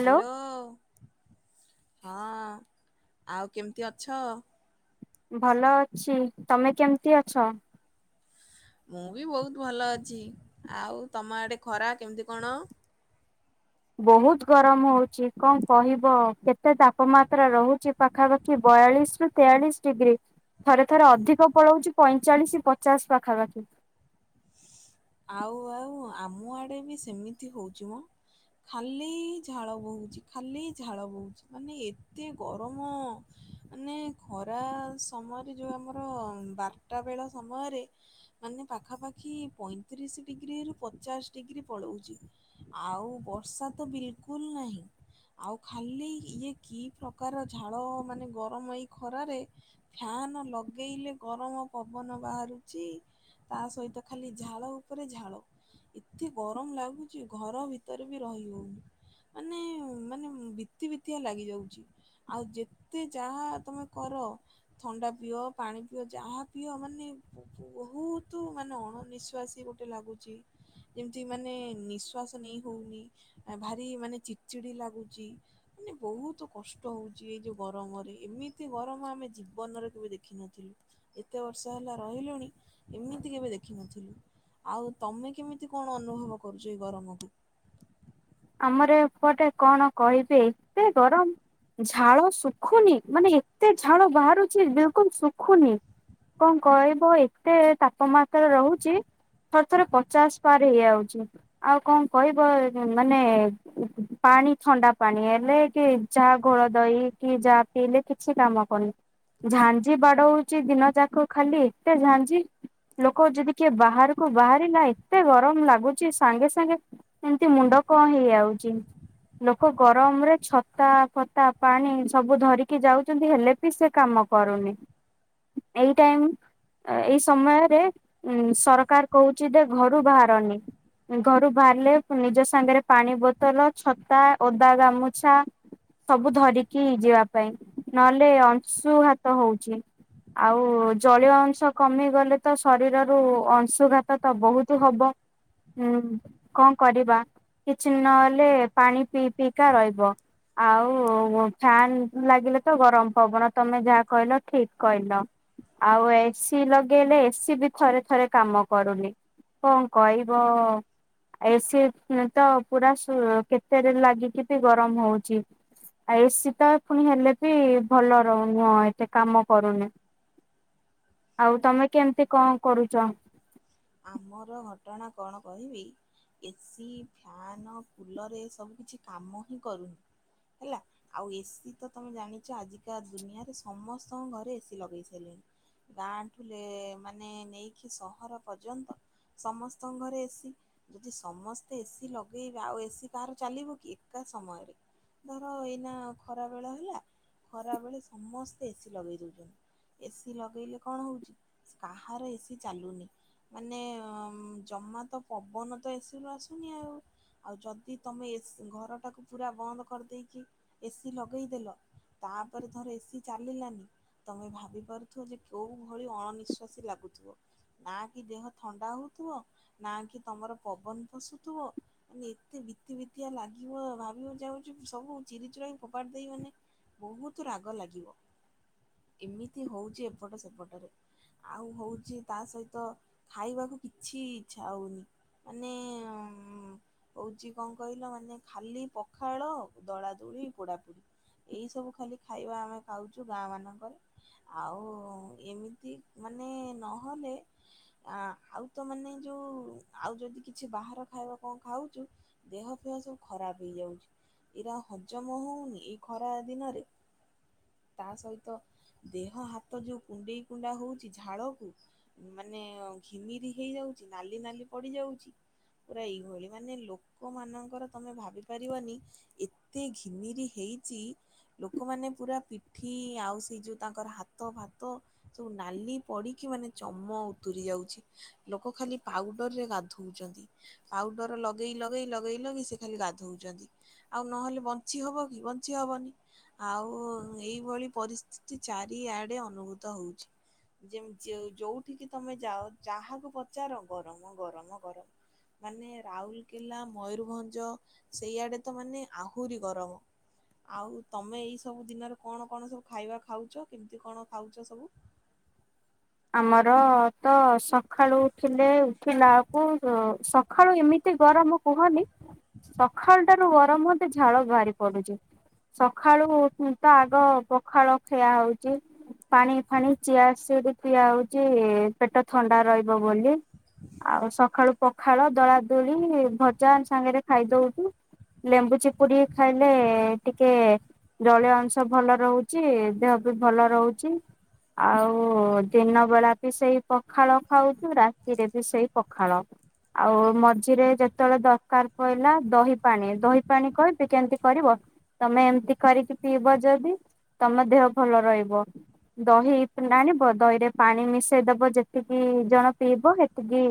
Hello. ହଁ ଆଉ କେମିତି ଅଛ। ଭଲ ଅଛି ତମେ କେମିତି ଅଛ। ମୁଁ ବି ବହୁତ ଭଲ ଅଛି ଆଉ ତମ ଆଡ଼େ ଖରା କେମିତି କଣ? ବହୁତ ଗରମ ହଉଛି କଣ କହିବ? କେତେ ତାପମାତ୍ରା ରହୁଛି ପାଖାପାଖି ବୟାଳିଶ ରୁ ତେୟାଳିଶ ଡିଗ୍ରୀ ଥରେ ଥରେ ଅଧିକ ପଳାଉଛି ପଇଁଚାଳିଶ ପଚାଶ ପାଖାପାଖି। ଆଉ ଆଉ ଆମ ଆଡେ ବି ସେମିତି ହଉଛି ମ ଖାଲି ଝାଳ ବୋହୁଛି ଖାଲି ଝାଳ ବୋହୁଛି ମାନେ ଏତେ ଗରମ ମାନେ ଖରା ସମୟରେ ଯୋଉ ଆମର ବାରଟା ବେଳ ସମୟରେ ମାନେ ପାଖାପାଖି ପଇଁ ତିରିଶ ଡିଗ୍ରୀରୁ ପଚାଶ ଡିଗ୍ରୀ ପଳାଉଛି ଆଉ ବର୍ଷା ତ ବିଲକୁଲ ନାହିଁ ଆଉ ଖାଲି ଇଏ କି ପ୍ରକାର ଝାଳ ମାନେ ଗରମ ଏଇ ଖରାରେ ଫ୍ୟାନ ଲଗେଇଲେ ଗରମ ପବନ ବାହାରୁଛି ତା ସହିତ ଖାଲି ଝାଳ ଉପରେ ଝାଳ ଏତେ ଗରମ ଲାଗୁଛି ଘର ଭିତରେ ବି ରହି ହଉନି ମାନେ ମାନେ ବିତି ବିତିଆ ଲାଗିଯାଉଛି ଆଉ ଯେତେ ଯାହା ତମେ କର ଥଣ୍ଡା ପିଅ ପାଣି ପିଅ ଯାହା ପିଅ ମାନେ ବହୁତ ମାନେ ଅଣ ନିିଶ୍ଵାସୀ ଗୋ ଲାଗୁଛି ଯେମିତି ମାନେ ନିଶ୍ଵାସ ନେଇ ହଉନି ଭାରି ମାନେ ଚିଡ଼ଚିଡି ଲାଗୁଛି ମାନେ ବହୁତ କଷ୍ଟ ହଉଛି ଏଇ ଯୋଉ ଗରମରେ ଏମିତି ଗରମ ଆମେ ଜୀବନରେ କେବେ ଦେଖିନଥିଲୁ। ଏତେ ବର୍ଷ ହେଲା ରହିଲୁଣି ଏମିତି କେବେ ଦେଖିନଥିଲୁ। ଆଉ ତମେ କେମିତି କଣ ଅନୁଭବ କରୁଛ ଏଇ ଗରମକୁ? ଆମରପଟେ କଣ କହିବେ ଏତେ ଗରମ ଝାଳ ଶୁଖୁନି ମାନେ ଏତେ ଝାଳ ବାହାରୁଛି ବିଲକୁଲ ଶୁଖୁନି କଣ କହିବ ଏତେ ତାପମାତ୍ରା ରହୁଛି ଥରେ ଥରେ ପଚାଶ ପାର ହେଇଯାଉଛି ଆଉ କଣ କହିବ। ମାନେ ପାଣି ଥଣ୍ଡା ପାଣି ହେଲେ କି ଯାହା ଘୋଳ ଦହି କି ଯାହା ପିଇଲେ କିଛି କାମ କରୁନି ଝାଞ୍ଜି ବାଡଉଛି ଦିନ ଯାକ ଖାଲି ଏତେ ଝାଞ୍ଜି ଲୋକ ଯଦି କିଏ ବାହାରକୁ ବାହାରିଲା ଏତେ ଗରମ ଲାଗୁଛି ସାଙ୍ଗେ ସାଙ୍ଗେ ଏମତି ମୁଣ୍ଡ କଣ ହେଇଯାଉଛି ଲୋକ ଗରମରେ ଛତା ଫତା ପାଣି ସବୁ ଧରିକି ଯାଉଛନ୍ତି ହେଲେ ବି ସେ କାମ କରୁନି। ଏଇ ଟାଇମ ଏଇ ସମୟରେ ସରକାର କହୁଛି ଯେ ଘରୁ ବାହାରନି ଘରୁ ବାହାରିଲେ ନିଜ ସାଙ୍ଗରେ ପାଣି ବୋତଲ ଛତା ଓଦା ଗାମୁଛା ସବୁ ଧରିକି ଯିବା ପାଇଁ ନହେଲେ ଅଂଶୁଘାତ ହଉଛି ଆଉ ଜଳୀୟ ଅଂଶ କମିଗଲେ ତ ଶରୀରରୁ ଅଂଶୁଘାତ ତ ବହୁତ ହବ ଉ କଣ କରିବା। କିଛିନ ନହେଲେ ପାଣି ପିଇ ପିଇିକା ରହିବ ଆଉ ଫ୍ୟାନ ଲାଗିଲେ ତ ଗରମ ପବନ ତମେ ଯାହା କହିଲ ଠିକ କହିଲ। ଆଉ ଏସି ଲଗେଇଲେ ଏସି ବି ଥରେ ଥରେ କାମ କରୁନି କଣ କହିବ ଏସି। ତ ପୁରା କେତେ ଲାଗିକି ବି ଗରମ ହଉଛି। ଆଉ ଏସିି ତ ପୁଣି ହେଲେ ବି ଭଲ ରହୁନି ହ ଏତେ କାମ କରୁନି ଆଉ ତମେ କେମିତି କଣ କରୁଛ? ଆମର ଘଟଣା କଣ କହିବି ଏସି, ଫ୍ୟାନ, କୁଲର ଏ ସବୁ କିଛି କାମ ହିଁ କରୁନି। ହେଲା ଆଉ ଏସି ତ ତମେ ଜାଣିଛ ଆଜିକା ଦୁନିଆରେ ସମସ୍ତଙ୍କ ଘରେ ଏସିି ଲଗେଇ ସାରିଲେଣି ଗାଁଠୁ ମାନେ ନେଇକି ସହର ପର୍ଯ୍ୟନ୍ତ ସମସ୍ତଙ୍କ ଘରେ ଏସିି ଯଦି ସମସ୍ତେ ଏସିି ଲଗାଇବେ ଆଉ ଏସିି କାହାର ଚାଲିବ କି ଏକା ସମୟରେ ଧର ଏଇନା ଖରା ବେଳ ହେଲା ଖରାବେେଳେ ସମସ୍ତେ ଏସି ଲଗାଇ ଦେଉଛନ୍ତି ଏସିି ଲଗାଇଲେ କଣ ହେଉଛି କାହାର ଏସିି ଚାଲୁନି ମାନେ ଜମା ତ ପବନ ତ ଏସିରୁୁ ଆସୁନି ଆଉ ଆଉ ଯଦି ତମେ ଏ ଘରଟାକୁ ପୁରା ବନ୍ଦ କରିଦେଇକି ଏସିି ଲଗେଇଦେଲ ତାପରେ ଧର ଏସିି ଚାଲିଲାନି ତମେ ଭାବି ପାରୁଥ ଯେ କେଉଁ ଭଳି ଅଣନିଶ୍ଵାସୀ ଲାଗୁଥିବ। ନା କି ଦେହ ଥଣ୍ଡା ହଉଥିବ ନା କି ତମର ପବନ ପଷୁଥିବ ମାନେ ଏତେ ବିତି ବିତିଆ ଲାଗିବ ଭାବିବାକୁ ଯାଉଛି ସବୁ ଚିରି ଚିୁର ହି ଫୋପାଡ଼ି ଦେଇ ମାନେ ବହୁତ ରାଗ ଲାଗିବ ଏମିତି ହଉଛି ଏପଟ ସେପଟରେ ଆଉ ହଉଛି ତା ସହିତ। ତ ଖାଇବାକୁ କିଛି ଇଚ୍ଛା ହେଉନି ମାନେ ହେଉଛି କଣ କହିଲ ମାନେ ଖାଲି ପଖାଳ ଦଳା ଦୁଳି ପୋଡ଼ାପୋଡ଼ି ଏଇସବୁ ଖାଲି ଖାଇବା ଆମେ ଖାଉଛୁ ଗାଁ ମାନଙ୍କରେ ଆଉ ଏମିତି ମାନେ ନହେଲେ ଆ ଆଉ ତ ମାନେ ଯୋଉ ଆଉ ଯଦି କିଛି ବାହାର ଖାଇବା କଣ ଖାଉଛୁ। ଦେହ ଫହ ସବୁ ଖରାପ ହେଇଯାଉଛି ଏଇରା ହଜମ ହଉନି ଏଇ ଖରା ଦିନରେ ତା ସହିତ ଦେହ ହାତ ଯୋଉ କୁଣ୍ଡେଇ କୁଣ୍ଡା ହଉଛି ଝାଳକୁ ମାନେ ଘିମିରି ହେଇଯାଉଛି ନାଲି ନାଲି ପଡିଯାଉଛି ପୁରା ଏଇଭଳି ମାନେ ଲୋକମାନାନଙ୍କର ତମେ ଭାବି ପାରିବନି ଏତେ ଘିମିରି ହେଇଛି ଲୋକମାନେ ପୁରା ପିଠି ଆଉ ସେ ଯୋଉ ତାଙ୍କର ହାତ ଫାତ ସବୁ ନାଲି ପଡିକି ମାନେ ଚମ ଉତୁରି ଯାଉଛି। ଲୋକ ଖାଲି ପାଉଡରରେ ଗାଧଉଛନ୍ତି ପାଉଡର ଲଗେଇ ଲଗେଇ ଲଗେଇ ଲଗେଇ ସେ ଖାଲି ଗାଧଉଛନ୍ତି। ଆଉ ନହେଲେ ବଞ୍ଚି ହେବ କି ବଞ୍ଚି ହେବନି ଆଉ ଏଇଭଳି ପରିସ୍ଥିତି ଚାରିଆଡ଼େ ଅନୁଭୂତ ହଉଛି ଯେମିତି। ଯୋଉଠିକି ତମେ ଯାଅ ଯାହାକୁ ପଚାର ଗରମ ଗରମ ଗରମ ମାନେ ରାଉରକେଲା ମୟରଭଞ୍ଜ ସେଇଆଡେ ତ ମାନେ ଆହୁରି ଗରମ ଆଉ ତମେ ଏଇ ସବୁ ଦିନରେ କଣ କଣ ସବୁ ଖାଇବା ଖାଉଛ କେମିତି କଣ ଖାଉଛ ସବୁ। ଆମର ତ ସଖାଳୁ ଉଠିଲେ ଉଠିଲା ବେଳକୁ ସକାଳୁ ଏମିତି ଗରମ କୁହନି ସକାଳୁ ଟାରୁ ଗରମ ହୁନ୍ତ ଝାଳ ବାହାରି ପଡୁଛି ସକାଳୁ ତ ଆଗ ପଖାଳ ଖିଆ ହଉଛି ପାଣି ଫାଣି ଚିଆ ସିଡ୍ସ। ଠିଆ ହଉଛି ପେଟ ଥଣ୍ଡା ରହିବ ବୋଲି। ଆଉ ସକାଳୁ ପଖାଳ ଦଳା ଦୁଳି ଭଜା ସାଙ୍ଗରେ ଖାଇଦଉଛୁ। ଲେମ୍ବୁ ଚିପରି ଖାଇଲେ ଟିକେ ଜଳୀୟ ଅଂଶ ଭଲ ରହୁଛି ଦେହ ବି ଭଲ ରହୁଛି ଆଉ। ଦିନ ବେଳା ବି ସେଇ ପଖାଳ ଖାଉଛୁ ରାତିରେ ବି ସେଇ ପଖାଳ ଆଉ ମଝିରେ ଯେତେବେଳେ ଦରକାର ପହିଲା ଦହି ପାଣି ଦହି ପାାଣି କହିବି କେମିତି କରିବ ତମେ ଏମିତି କରିକି ପିଇବ ଯଦି ତମ ଦେହ ଭଲ ରହିବ। ଦହି ଆଣିବ। ଦହିରେ ପାଣି ମିଶେଇ ଦବ ଯେତିକି ଜଣ ପିଇବ ସେତିକି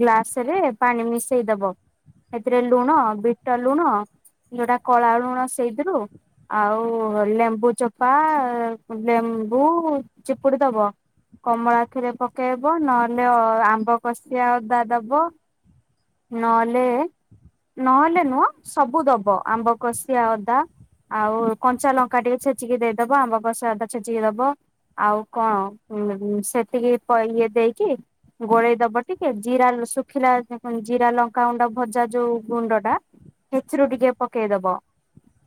ଗ୍ଲାସ ରେ ପାଣି ମିଶେଇ ଦବ। ସେଥିରେ ଲୁଣ, ବିଟ ଲୁଣ, ଯୋଉଟା କଳା ଲୁଣ, ସେଇଥିରୁ ଆଉ ଲେମ୍ବୁ ଚୋପା ଲେମ୍ବୁ ଚି ଚିପୁଡି ଦବ କମଳାଥିରେ ପକେଇବ ନହେଲେ ଆମ୍ବ କଷିଆ ଅଦା ଦବ ନହେଲେ ନହେଲେ ନୁହ ସବୁ ଦବ ଆମ୍ବ କଷିଆ ଅଦା, ଆଉ କଞ୍ଚା ଲଙ୍କା, ଟିକେ ଛେଚିକି ଦେଇଦବ ଆମ୍ବ କଷିଆ ଅଦା ଛେଚିକି ଦବ ଆଉ। କଣ ସେତିକି ଇଏ ଦେଇକି ଗୋଳେଇ ଦବ ଟିକେ ଜୀରା ଶୁଖିଲା ଜିରା ଲଙ୍କା ଗୁଣ୍ଡ ଭଜା ଯୋଉ ଗୁଣ୍ଡ ଟା ସେଥିରୁ ଟିକେ ପକେଇ ଦବ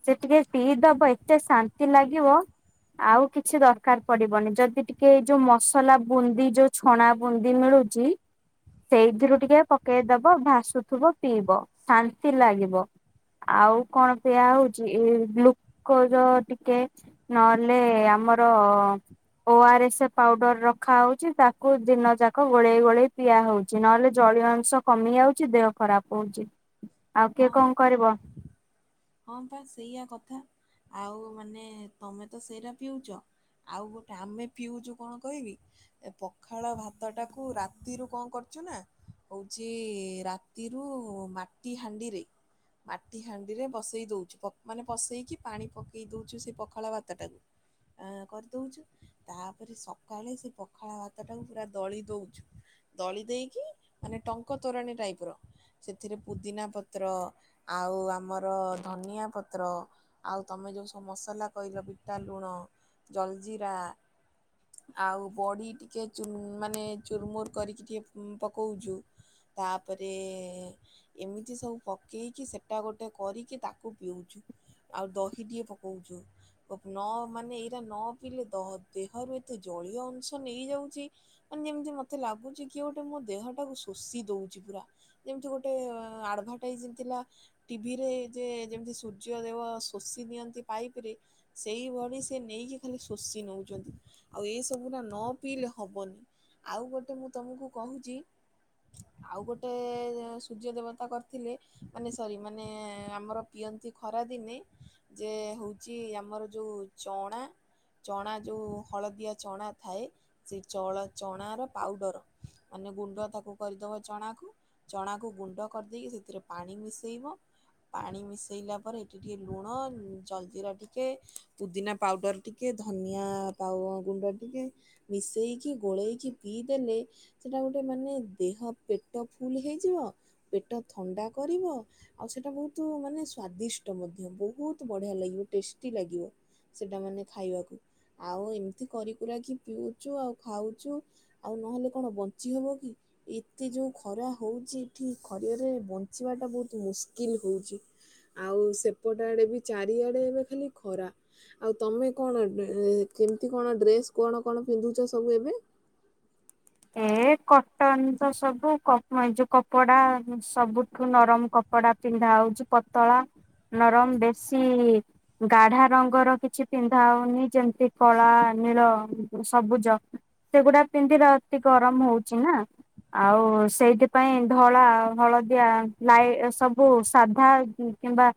ସେ ଟିକେ ପିଇଦବ ଏତେ ଶାନ୍ତି ଲାଗିବ ଆଉ କିଛି ଦରକାର ପଡିବନି। ଯଦି। ଟିକେ ଏଇ ଯୋଉ ମସଲା ବୁନ୍ଦି ଯୋଉ ଛଣା ବୁନ୍ଦି ମିଳୁଛି ସେଇଥିରୁ ଟିକେ ପକେଇଦବ ଭାସୁଥିବ ପିଇବ ଶାନ୍ତି ଲାଗିବ। ଆଉ କଣ ପିୟଆ ହଉଛି ଗ୍ଲୁକୋଜ ଟିକେ ନହେଲେ ଆମର। ଓଆର୍ ଏସ୍ ପାଉଡର ରଖା ହଉଛି ତାକୁ ଦିନ ଯାକ ଗୋଳେଇ ଗୋଳେଇ ପିଆ ହଉଛି। ନହେଲେ ଜଳୀୟ ଅଂଶ କମି ଯାଉଛି ଦେହ ଖରାପ ହଉଛି। ଆଉ କିଏ ହଁ କଣ କରିବ ହଁ ପା ଆଉ ମାନେ ତମେ ତ ସେଇଟା ପିଉଛ ଆଉ ଗୋଟେ ଆମେ ପିଉଛୁ କଣ କହିବି ଏ ପଖାଳ ଭାତଟାକୁ ରାତିରୁ କଣ କରୁଛୁ ନା ହଉଛି ରାତିରୁ। ମାଟି ହାଣ୍ଡିରେ ମାଟି ହାଣ୍ଡିରେ ବସେଇ ଦେଉଛୁ ମାନେ ବସେଇକି ପାଣି ପକାଇ ଦେଉଛୁ ସେ ପଖାଳ ଭାତଟାକୁ କରିଦଉଛୁ ତାପରେ ସକାଳେ ସେ ପଖାଳ ଭାତଟାକୁ ପୁରା ଦଳି ଦେଉଛୁ ଦଳି ଦେଇକି ମାନେ ଟଙ୍କ ତୋରାଣୀ ଟାଇପ ର ସେଥିରେ। ପୁଦିନା ପତ୍ର, ଆଉ ଆମର ଧନିଆ ପତ୍ର, ଆଉ ତମେ ଯେଉଁ ସବୁ ମସଲା, କହିଲ ବିଟା ଲୁଣ, ଜଲଜିିରା, ଆଉ ବଡ଼ି ଟିକେ ମାନେ ଚୁର୍ମୁର କରିକି ଟିକେ ପକଉଛୁ ତାପରେ। ଏମିତି ସବୁ ପକେଇକି ସେଇଟା ଗୋଟେ କରିକି ତାକୁ ପିଉଛୁ ଆଉ ଦହିଟିଏ ପକାଉଛୁ ନ ମାନେ ଏଇଟା ନ ପିଇଲେ ଦେହରୁ ଏତେ ଜଳୀୟ ଅଂଶ ନେଇଯାଉଛି ମାନେ ଯେମିତି ମୋତେ ଲାଗୁଛି କି ଗୋଟେ ମୋ ଦେହଟାକୁ ଶୋଷି ଦେଉଛି ପୁରା ଯେମିତି ଗୋଟେ। ଆଡ଼ଭଟାଇଜ ଥିଲା ଟିଭିରେ ଯେ ଯେମିତି ସୂର୍ଯ୍ୟଦେବ ଶୋଷି ନିଅନ୍ତି ପାଇପ ରେ ସେଇଭଳି ସେ ନେଇକି ଖାଲି ଶୋଷି ନେଉଛନ୍ତି ଆଉ ଏସବୁୁର ନ ପିଇଲେ ହବନି ଆଉ ଗୋଟେ ମୁଁ ତମକୁ କହୁଛି ଆଉ ଗୋଟେ ସୂର୍ଯ୍ୟଦେବ। କରିଥିଲେ ମାନେ ସରି ମାନେ ଆମର ପିଅନ୍ତି ଖରା ଦିନେ ଯେ ହେଉଛି ଆମର ଯେଉ ଚଣା ଚଣା ଯେଉ ହଳଦିଆ ଚଣା ଥାଏ ସେ ଚ ଚଣାର ପାଉଡ଼ର ମାନେ ଗୁଣ୍ଡ ତାକୁ କରିଦେବ ଚଣାକୁ ଚଣାକୁ ଗୁଣ୍ଡ। କରିଦେଇକି ସେଥିରେ ପାଣି ମିଶେଇବ ପାଣି ମିଶେଇଲା ପରେ ଏଠି ଟିକେ ଲୁଣ ଜଲଜିିରା ଟିକେ ପୁଦିନା ପାଉଡର ଟିକେ ଧନିଆ ଗୁଣ୍ଡ ଟିକେ ମିଶେଇକି ଗୋଳେଇକି ପିଇ ଦେେଲେ ସେଟା ଗୋଟେ ମାନେ ଦେହ ପେଟ ଫୁଲ ହେଇଯିବ। ପେଟ ଥଣ୍ଡା କରିବ ଆଉ ସେଇଟା ବହୁତ ମାନେ ସ୍ଵାଦିଷ୍ଟ ମଧ୍ୟ ବହୁତ ବଢ଼ିଆ ଲାଗିବ ଟେଷ୍ଟି ଲାଗିବ ସେଇଟା ମାନେ ଖାଇବାକୁ ଆଉ ଏମିତି କରିକୁର କିି ପିଉଛୁ ଆଉ ଖାଉଛୁ ଆଉ ନହେଲେ କଣ ବଞ୍ଚି ହେେବ କି ଏତେ ଯେଉଁ ଖରା ହେଉଛି ଏଠି। ଖରିଆରେ ବଞ୍ଚିବାଟା ବହୁତ ମୁସ୍କିଲ ହଉଛି ଆଉ ସେପଟ ଆଡେ ବି ଚାରିଆଡ଼େ ଏବେ ଖାଲି ଖରା ଆଉ ତମେ କଣ କେମିତି କଣ ଡ୍ରେସ୍ କଣ କଣ ପିନ୍ଧୁଛ ସବୁ ଏବେ। ଏ କଟନ ତ ସବୁ ଏଇ ଯୋଉ କପଡା ସବୁଠୁ ନରମ କପଡା ପିନ୍ଧା ହଉଛି ପତଳା ନରମ ବେଶୀ ଗାଢା ରଙ୍ଗର କିଛି ପିନ୍ଧା ହଉନି ଯେମିତି କଳା ନୀଳ ସବୁଜ ସେଗୁଡା ପିନ୍ଧି ର ଗରମ ହଉଛି ନା ଆଉ ସେଇଥିପାଇ ଧଳା ହଳଦିଆ ଲାଇ ସବୁ ସାଧା କିମ୍ବା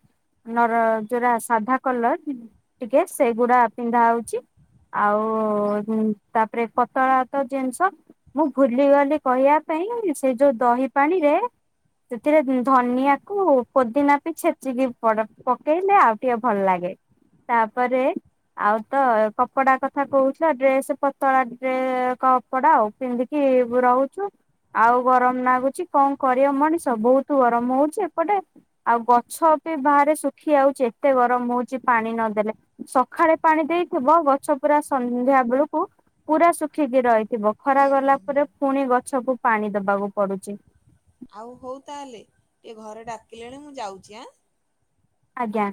ନ ଯୋୁରା ସାଧା କଲର ଟିକେ ସେଗୁଡା ପିନ୍ଧା ହଉଛି ଆଉ ତାପରେ ପତଳା ତ ଜିନିଷ। ମୁଁ ଭୁଲିଗଲି କହିବା ପାଇଁ ସେ ଯୋଉ ଦହି ପାଣିରେ ସେଥିରେ ଧନିଆକୁ ପୋଦିନା ପ ଛେଚିକି ପକେଇଲେ ଆଉ ଟିକେ ଭଲ ଲାଗେ ତାପରେ ଆଉ ତ କପଡା କଥା କହୁଥିଲା ଡ୍ରେସ ପତଳା ଡ କପଡା ଆଉ। ପିନ୍ଧିକି ରହୁଛୁ ଆଉ ଗରମ ଲାଗୁଛି କଣ କରିବ ମଣିଷ ବହୁତ ଗରମ ହଉଛି ଏପଟେ ଆଉ ଗଛ ବି ବାହାରେ ଶୁଖି ଯାଉଛି ଏତେ ଗରମ ହଉଛି ପାଣି ନଦେଲେ ସକାଳେ ପାଣି ଦେଇଥିବ ଗଛ ପୁରା ସନ୍ଧ୍ୟା ବେଳକୁ ପୁରା ଶୁଖିକି ରହିଥିବ। ଖରା ଗଲା ପରେ ପୁଣି ଗଛ ସଛବୁ ପାଣି ଦବାକୁ ପଡୁଛି। ଆଉ ହଉ ତାହେଲେ ଟିକେ ଘରେ ଡାକିଲେଣି ମୁଁ ଯାଉଛି ଆଁ। ଆଜ୍ଞା